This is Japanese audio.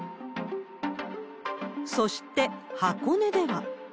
そして、箱根では。